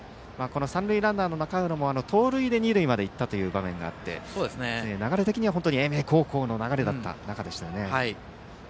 三塁ランナーの中浦も盗塁で二塁まで行ったという場面があって流れ的には英明高校の流れでしたよね。